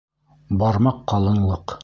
— Бармаҡ ҡалынлыҡ.